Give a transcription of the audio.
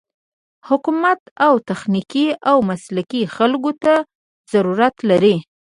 حکومت و تخنيکي او مسلکي خلکو ته ضرورت لري.